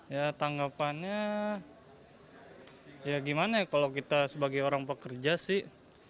ya tanggapannya ya gimana ya kalau kita sebagai orang pekerja sih